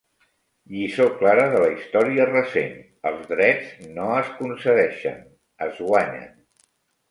Lliçó clara de la història recent: els drets no es concedeixen, es guanyen.